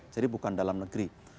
jadi bukan dalam negeri